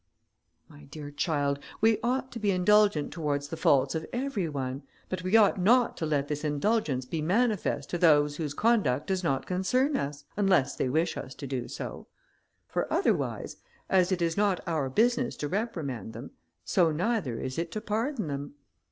"My dear child, we ought to be indulgent towards the faults of every one, but we ought not to let this indulgence be manifest to those whose conduct does not concern us, unless they wish us to do so; for otherwise, as it is not our business to reprimand them, so neither is it to pardon them.